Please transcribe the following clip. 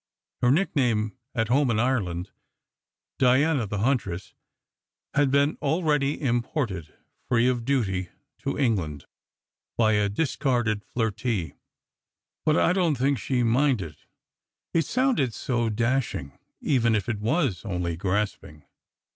Her nickname at home in Ireland, " Diana the Huntress," had been already imported, free of duty, to England, by a discarded flirtee; but I don t think she minded, it sounded so dashing, even if it was only grasping.